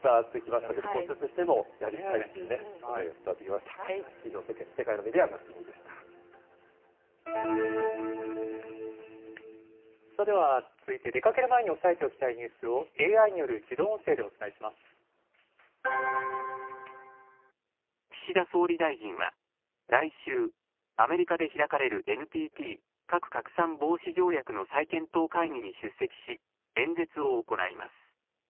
それでは続いて、出かける前に押さえておきたいニュースをＡ岸田総理大臣は、来週、アメリカで開かれる、ＮＰＴ・核拡散防止条約の再検討会議に出席し、演説を行います。